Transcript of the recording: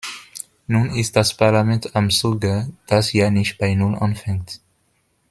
Nun ist das Parlament am Zuge, das ja nicht bei Null anfängt.